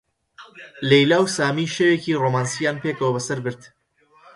لەیلا و سامی شەوێکی ڕۆمانسییان پێکەوە بەسەر برد.